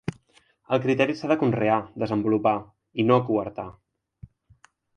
El criteri s’ha de conrear, desenvolupar i no coartar.